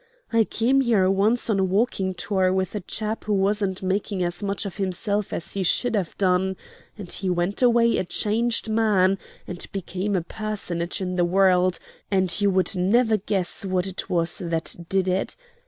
I came here once on a walking tour with a chap who wasn't making as much of himself as he should have done, and he went away a changed man, and became a personage in the world, and you would never guess what it was that did it.